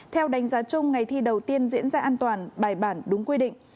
theo đánh giá chung ngày thi đầu tiên diễn ra an toàn bài bản đúng quy định